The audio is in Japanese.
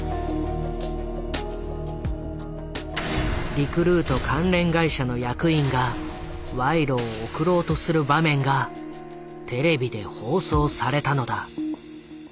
リクルート関連会社の役員が賄賂を贈ろうとする場面がテレビで放送されたのだ。